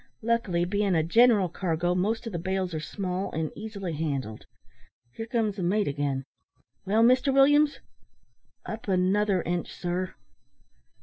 Luckily, bein' a general cargo, most o' the bales are small and easily handled. Here comes the mate again well, Mr Williams?" "Up another inch, sir."